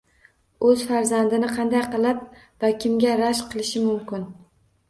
O‘z farzandini qanday qilib va kimga rashk qilish mumkin?